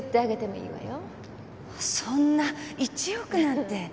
そんな１億なんて！